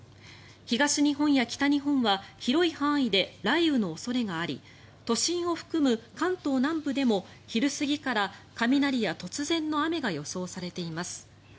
東日本や北日本は広い範囲で雷雨の恐れがあり都心を含む関東南部でも昼過ぎから雷や突然の雨が予想されています。